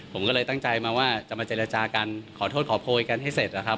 ผมก็เลยตั้งใจมาว่าจะมาเจรจากันขอโทษขอโพยกันให้เสร็จนะครับ